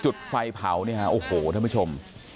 จุดไฟเผาเนี่ยฮะโอ้โหท่านผู้ชม